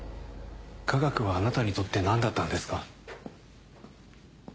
科学はあなたにとって何だったんですか？